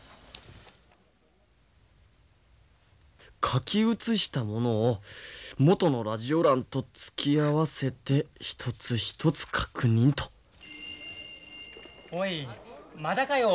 書き写したものをもとのラジオ欄と突き合わせて一つ一つ確認とおいまだかよ。